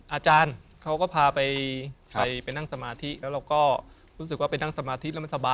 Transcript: อาจารย์เขาก็พาไปไปนั่งสมาธิ